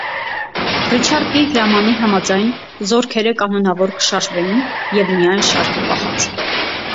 Ռիչարտի հրամանի համաձայն զօրքերը կանոնաւոր կը շարժէին եւ միայն շարքը պահած։